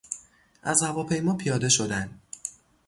از هواپیما پیاده شدن